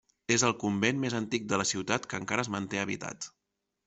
És el convent més antic de la ciutat que encara es manté habitat.